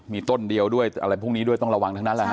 มีต้นเดียวด้วยอะไรพวกนี้ด้วยต้องระวังทั้งนั้นแหละฮ